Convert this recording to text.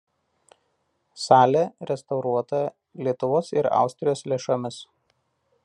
Salė restauruota Lietuvos ir Austrijos lėšomis.